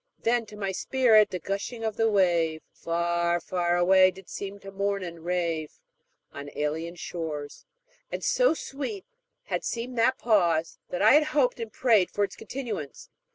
Then to my spirit "The gushing of the wave Far, far away, did seem to mourn and rave On alien shores"; and so sweet had seemed that pause, that I had hoped and prayed for its continuance.